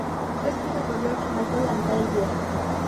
Fue escrita por George Michael, la mitad del dúo.